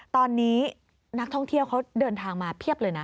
ตอนนี้นักท่องเที่ยวเขาเดินทางมาเพียบเลยนะ